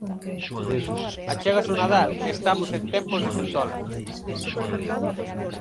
Achégase o Nadal e estamos en tempos de centola.